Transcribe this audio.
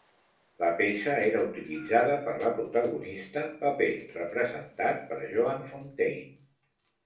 La peça era utilitzada per la protagonista, paper representat per Joan Fontaine.